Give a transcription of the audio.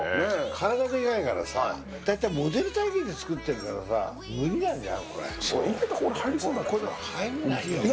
体でかいからさ、大体モデル体形で作ってるからさ、無理なんじゃん、これ。